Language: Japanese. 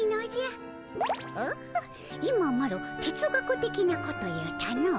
オッホ今マロ哲学的なこと言うたの。